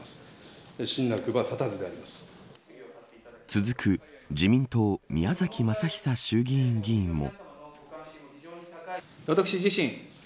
続く自民党宮崎政久衆院議員も。